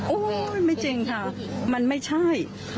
ไม่จริงค่ะมันไม่ใช่